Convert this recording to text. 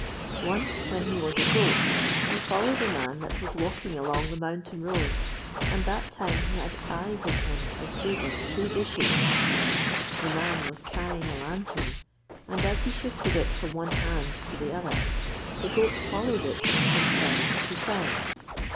Once, when he was a goat, he followed a man that was walking along the mountain road, and that time he had eyes in him as big as two dishes. The man was carrying a lantern, and as he shifted it from one hand to the other the goat followed it from side to side.